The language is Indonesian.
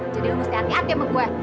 jadi lu harus hati hati sama gue